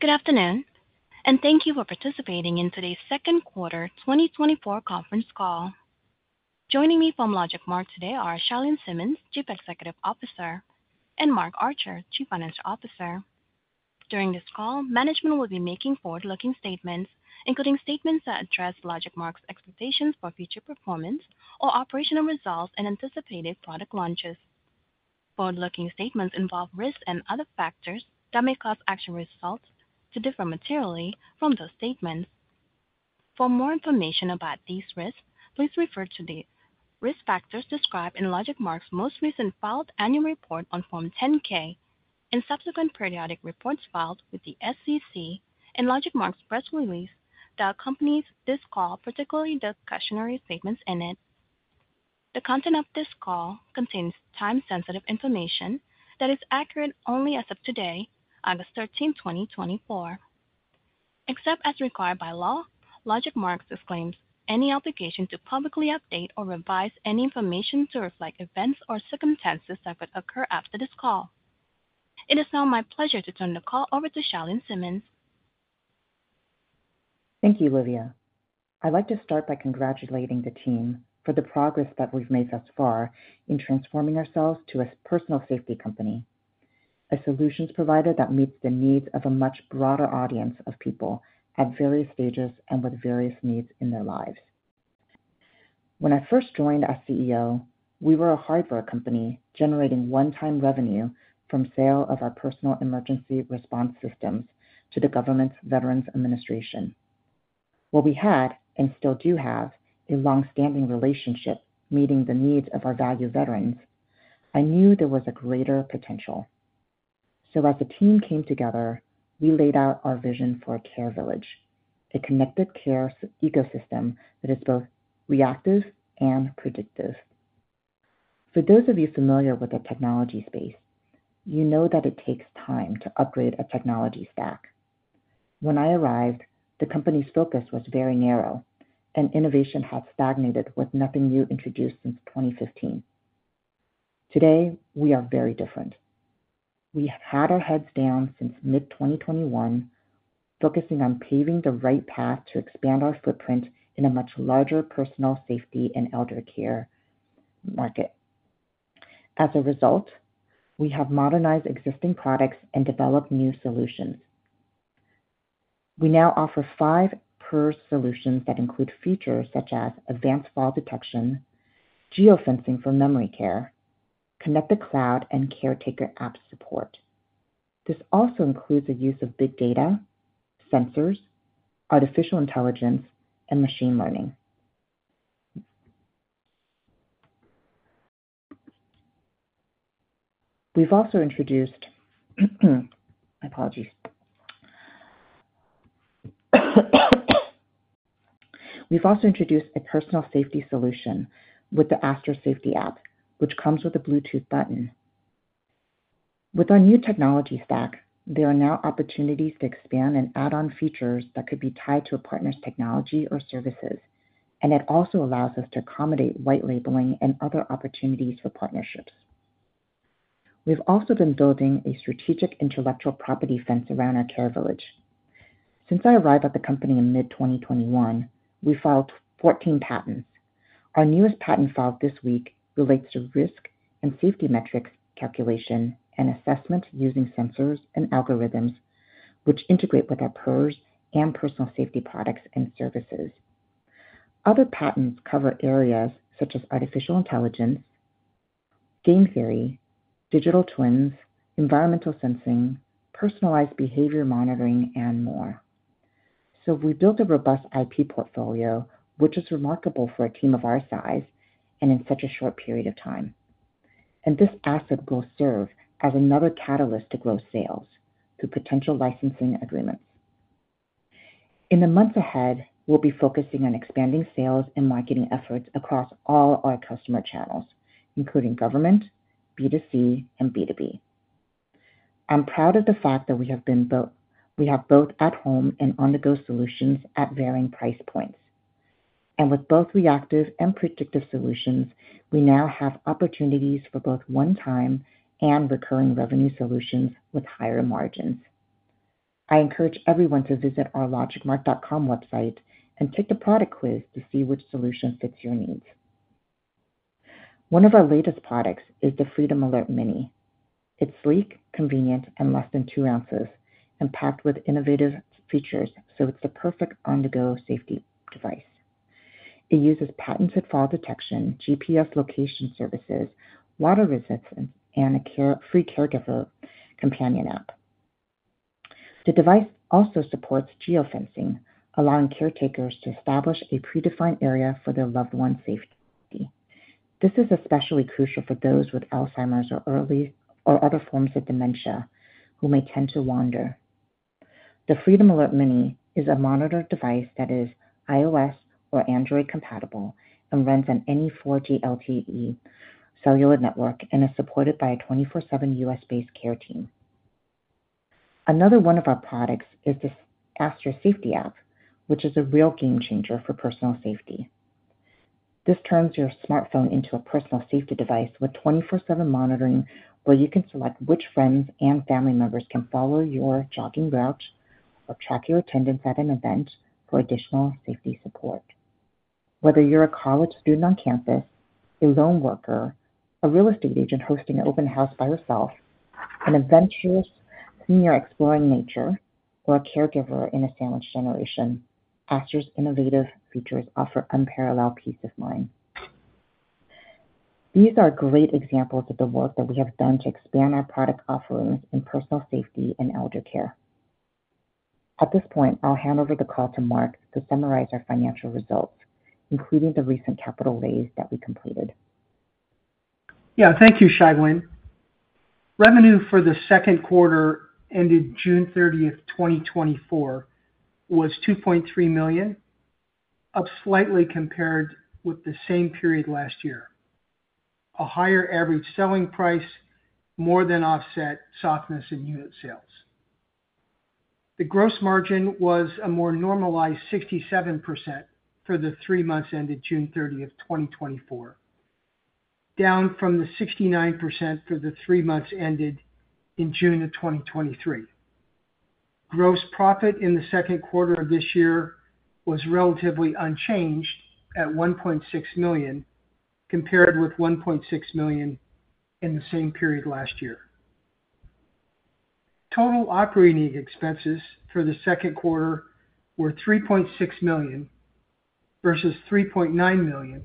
Good afternoon, and thank you for participating in today's second quarter 2024 conference call. Joining me from LogicMark today are Chia-Lin Simmons, Chief Executive Officer, and Mark Archer, Chief Financial Officer. During this call, management will be making forward-looking statements, including statements that address LogicMark's expectations for future performance or operational results and anticipated product launches. Forward-looking statements involve risks and other factors that may cause actual results to differ materially from those statements. For more information about these risks, please refer to the risk factors described in LogicMark's most recent filed annual report on Form 10-K and subsequent periodic reports filed with the SEC and LogicMark's press release that accompanies this call, particularly the cautionary statements in it. The content of this call contains time-sensitive information that is accurate only as of today, August 13, 2024. Except as required by law, LogicMark disclaims any obligation to publicly update or revise any information to reflect events or circumstances that could occur after this call. It is now my pleasure to turn the call over to Chia-Lin Simmons. Thank you, Livia. I'd like to start by congratulating the team for the progress that we've made thus far in transforming ourselves to a personal safety company, a solutions provider that meets the needs of a much broader audience of people at various stages and with various needs in their lives. When I first joined as CEO, we were a hardware company generating one-time revenue from sale of our personal emergency response systems to the government's Veterans Administration. While we had, and still do have, a long-standing relationship meeting the needs of our valued veterans, I knew there was a greater potential. So as the team came together, we laid out our vision for a Care Village, a connected care ecosystem that is both reactive and predictive. For those of you familiar with the technology space, you know that it takes time to upgrade a technology stack. When I arrived, the company's focus was very narrow, and innovation had stagnated, with nothing new introduced since 2015. Today, we are very different. We had our heads down since mid-2021, focusing on paving the right path to expand our footprint in a much larger personal safety and elder care market. As a result, we have modernized existing products and developed new solutions. We now offer five PERS solutions that include features such as advanced fall detection, geofencing for memory care, connected cloud, and caretaker app support. This also includes the use of big data, sensors, artificial intelligence, and machine learning. We've also introduced... My apologies. We've also introduced a personal safety solution with the Aster safety app, which comes with a Bluetooth button. With our new technology stack, there are now opportunities to expand and add on features that could be tied to a partner's technology or services, and it also allows us to accommodate white labeling and other opportunities for partnerships. We've also been building a strategic intellectual property fence around our Care Village. Since I arrived at the company in mid-2021, we filed 14 patents. Our newest patent filed this week relates to risk and safety metrics, calculation, and assessment using sensors and algorithms, which integrate with our PERS and personal safety products and services. Other patents cover areas such as artificial intelligence, game theory, digital twins, environmental sensing, personalized behavior monitoring, and more. So we built a robust IP portfolio, which is remarkable for a team of our size and in such a short period of time, and this asset will serve as another catalyst to grow sales through potential licensing agreements. In the months ahead, we'll be focusing on expanding sales and marketing efforts across all our customer channels, including government, B2C, and B2B. I'm proud of the fact that we have both at-home and on-the-go solutions at varying price points. And with both reactive and predictive solutions, we now have opportunities for both one-time and recurring revenue solutions with higher margins. I encourage everyone to visit our LogicMark.com website and take the product quiz to see which solution fits your needs. One of our latest products is the Freedom Alert Mini. It's sleek, convenient, and less than two ounces, and packed with innovative features, so it's the perfect on-the-go safety device. It uses patented fall detection, GPS location services, water resistance, and a carefree caregiver companion app. The device also supports geofencing, allowing caretakers to establish a predefined area for their loved one's safety. This is especially crucial for those with Alzheimer's or early- or other forms of dementia, who may tend to wander. The Freedom Alert Mini is a monitored device that is iOS or Android-compatible and runs on any 4G LTE cellular network and is supported by a 24/7 U.S.-based care team. Another one of our products is this Aster safety app, which is a real game changer for personal safety. This turns your smartphone into a personal safety device with 24/7 monitoring, where you can select which friends and family members can follow your jogging route or track your attendance at an event for additional safety support. Whether you're a college student on campus, a lone worker, a real estate agent hosting an open house by yourself, an adventurous senior exploring nature, or a caregiver in a sandwich generation, Aster's innovative features offer unparalleled peace of mind. These are great examples of the work that we have done to expand our product offerings in personal safety and elder care. At this point, I'll hand over the call to Mark to summarize our financial results, including the recent capital raise that we completed. Yeah, thank you, Chia-Lin. Revenue for the second quarter ended June 30, 2024, was $2.3 million, up slightly compared with the same period last year. A higher average selling price more than offset softness in unit sales. The gross margin was a more normalized 67% for the three months ended June 30, 2024, down from the 69% for the three months ended in June of 2023. Gross profit in the second quarter of this year was relatively unchanged at $1.6 million, compared with $1.6 million in the same period last year. Total operating expenses for the second quarter were $3.6 million, versus $3.9 million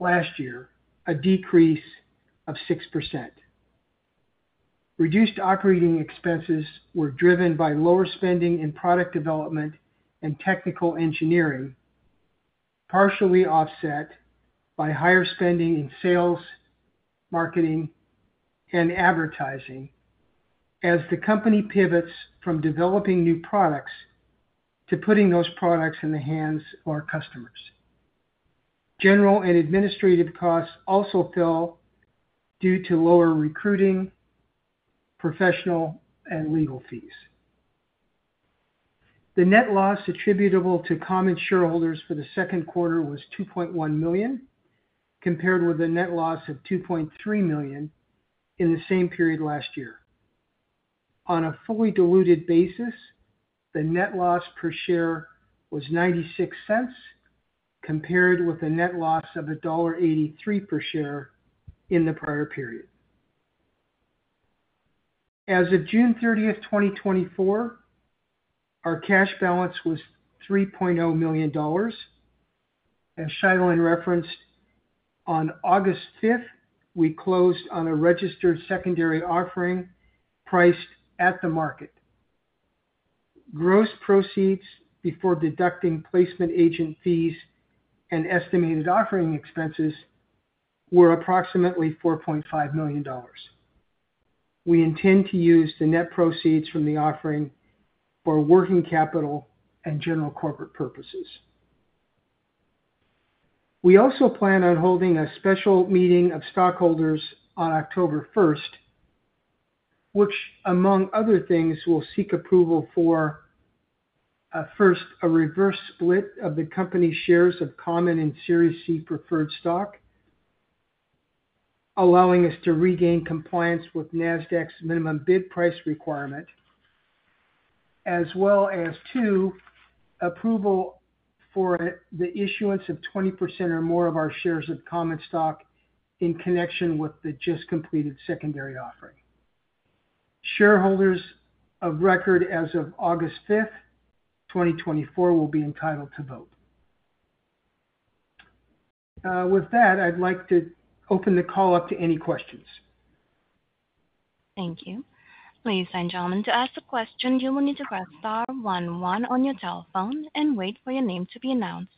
last year, a decrease of 6%. Reduced operating expenses were driven by lower spending in product development and technical engineering, partially offset by higher spending in sales, marketing, and advertising, as the company pivots from developing new products to putting those products in the hands of our customers. General and administrative costs also fell due to lower recruiting, professional, and legal fees. The net loss attributable to common shareholders for the second quarter was $2.1 million, compared with a net loss of $2.3 million in the same period last year. On a fully diluted basis, the net loss per share was $0.96, compared with a net loss of $1.83 per share in the prior period. As of June thirtieth, 2024, our cash balance was $3.0 million. As Chia-Lin referenced, on August fifth, we closed on a registered secondary offering priced at the market. Gross proceeds before deducting placement agent fees and estimated offering expenses were approximately $4.5 million. We intend to use the net proceeds from the offering for working capital and general corporate purposes. We also plan on holding a special meeting of stockholders on October 1, which, among other things, will seek approval for first, a reverse split of the company's shares of common and Series C preferred stock, allowing us to regain compliance with Nasdaq's minimum bid price requirement, as well as two, approval for the issuance of 20% or more of our shares of common stock in connection with the just-completed secondary offering. Shareholders of record as of August 5, 2024, will be entitled to vote. With that, I'd like to open the call up to any questions. Thank you. Ladies and gentlemen, to ask a question, you will need to press star one one on your telephone and wait for your name to be announced.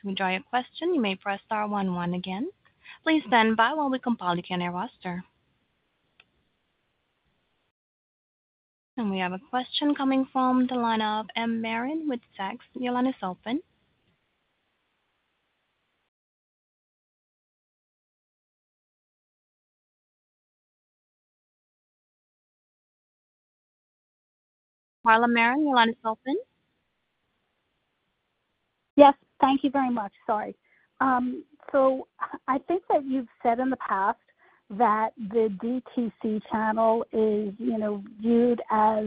To withdraw your question, you may press star one one again. Please stand by while we compile the Q&A roster. We have a question coming from the line of M. Marin with Zacks. Your line is open. Marla Marin, your line is open. Yes, thank you very much. Sorry. So I think that you've said in the past that the DTC channel is, you know, viewed as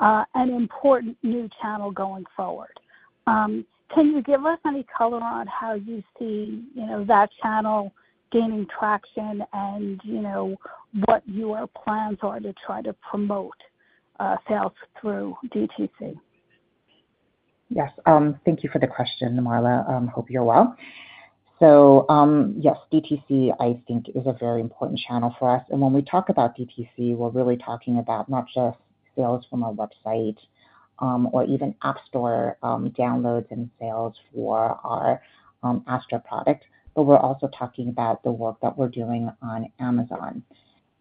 an important new channel going forward. Can you give us any color on how you see, you know, that channel gaining traction and, you know, what your plans are to try to promote sales through DTC? Yes. Thank you for the question, Marla. Hope you're well. So, yes, DTC, I think, is a very important channel for us. And when we talk about DTC, we're really talking about not just sales from our website, or even app store, downloads and sales for our, Aster product, but we're also talking about the work that we're doing on Amazon.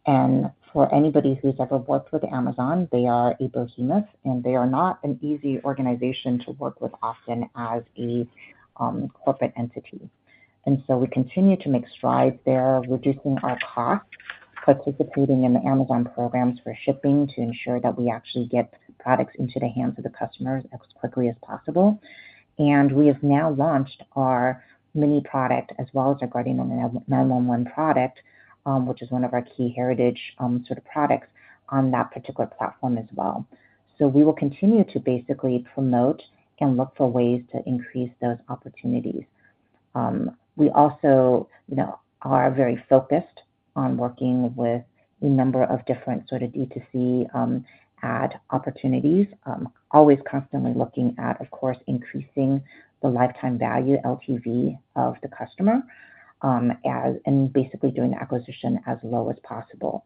And for anybody who's ever worked with Amazon, they are a behemoth, and they are not an easy organization to work with often as a corporate entity. And so we continue to make strides there, reducing our costs, participating in the Amazon programs for shipping to ensure that we actually get products into the hands of the customers as quickly as possible. We have now launched our mini product as well as our Guardian 911 product, which is one of our key heritage sort of products on that particular platform as well. We will continue to basically promote and look for ways to increase those opportunities. We also, you know, are very focused on working with a number of different sort of D2C ad opportunities. Always constantly looking at, of course, increasing the lifetime value, LTV, of the customer, and basically doing the acquisition as low as possible.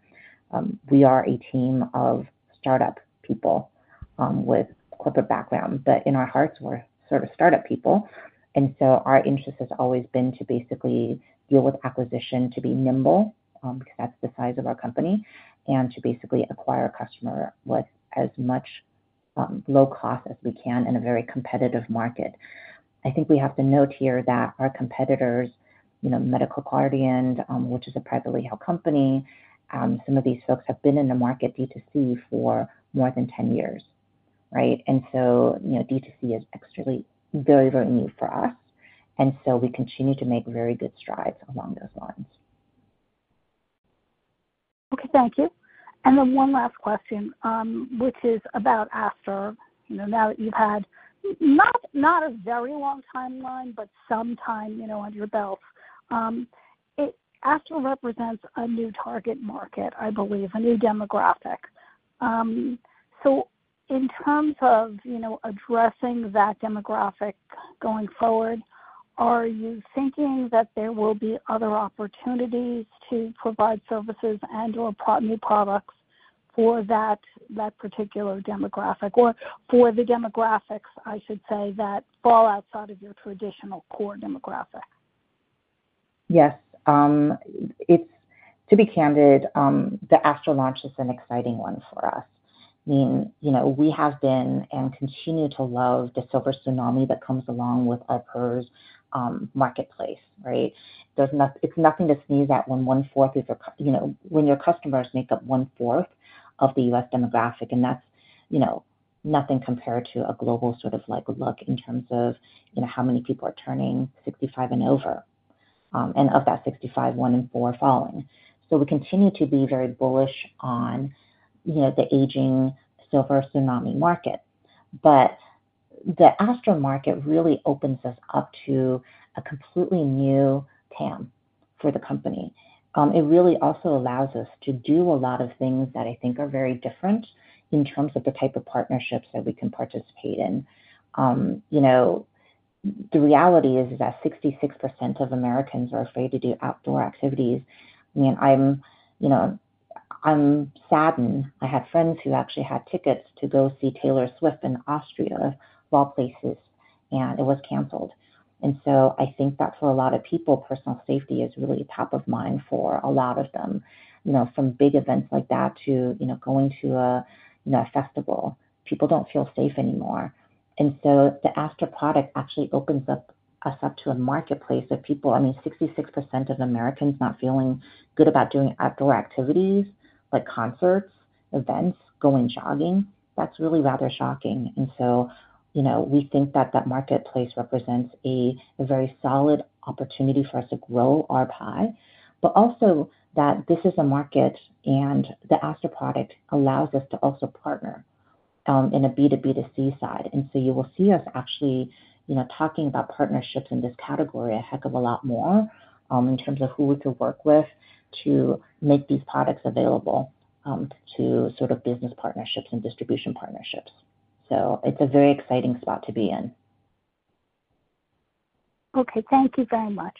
We are a team of startup people, with corporate background, but in our hearts, we're sort of startup people, and so our interest has always been to basically deal with acquisition, to be nimble, because that's the size of our company, and to basically acquire a customer with as much low cost as we can in a very competitive market. I think we have to note here that our competitors, you know, Medical Guardian, which is a privately held company, some of these folks have been in the market DTC for more than 10 years, right? And so, you know, DTC is extremely, very, very new for us, and so we continue to make very good strides along those lines. Okay, thank you. And then one last question, which is about Aster. You know, now that you've had, not, not a very long timeline, but some time, you know, under your belt. Aster represents a new target market, I believe, a new demographic. So in terms of, you know, addressing that demographic going forward, are you thinking that there will be other opportunities to provide services and/or new products for that, that particular demographic or for the demographics, I should say, that fall outside of your traditional core demographic? Yes. It's to be candid, the Aster launch is an exciting one for us. I mean, you know, we have been and continue to love the silver tsunami that comes along with our PERS marketplace, right? It's nothing to sneeze at when one-fourth of your you know, when your customers make up one-fourth of the U.S. demographic, and that's, you know, nothing compared to a global sort of like look in terms of, you know, how many people are turning 65 and over. And of that 65, one in four are falling. So we continue to be very bullish on, you know, the aging silver tsunami market. But the Aster market really opens us up to a completely new TAM for the company. It really also allows us to do a lot of things that I think are very different in terms of the type of partnerships that we can participate in. You know, the reality is, is that 66% of Americans are afraid to do outdoor activities. I mean, I'm, you know, I'm saddened. I have friends who actually had tickets to go see Taylor Swift in Austria, of all places, and it was canceled. And so I think that for a lot of people, personal safety is really top of mind for a lot of them. You know, from big events like that to, you know, going to a, you know, a festival, people don't feel safe anymore. And so the Aster product actually opens up us up to a marketplace of people... I mean, 66% of Americans not feeling good about doing outdoor activities like concerts, events, going jogging, that's really rather shocking. And so, you know, we think that that marketplace represents a very solid opportunity for us to grow our pie, but also that this is a market, and the Aster product allows us to also partner in a B2B2C side. And so you will see us actually, you know, talking about partnerships in this category a heck of a lot more, in terms of who we could work with to make these products available, to sort of business partnerships and distribution partnerships. So it's a very exciting spot to be in. Okay, thank you very much.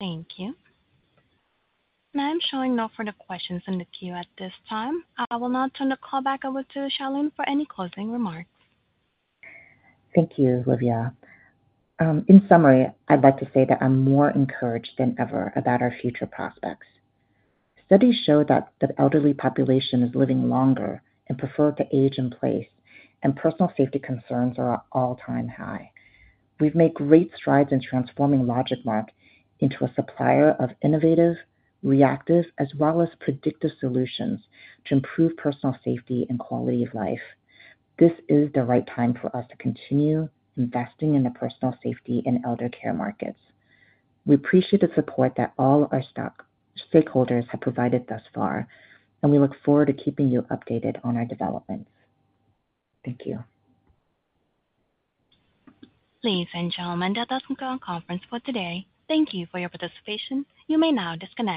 Thank you. I'm showing no further questions in the queue at this time. I will now turn the call back over to Chia-Lin for any closing remarks. Thank you, Livia. In summary, I'd like to say that I'm more encouraged than ever about our future prospects. Studies show that the elderly population is living longer and prefer to age in place, and personal safety concerns are at an all-time high. We've made great strides in transforming LogicMark into a supplier of innovative, reactive, as well as predictive solutions to improve personal safety and quality of life. This is the right time for us to continue investing in the personal safety and elder care markets. We appreciate the support that all our stakeholders have provided thus far, and we look forward to keeping you updated on our developments. Thank you. Ladies and gentlemen, that does conclude our conference for today. Thank you for your participation. You may now disconnect.